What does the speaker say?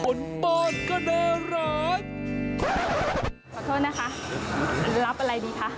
ขอโทษนะคะรับอะไรดีคะ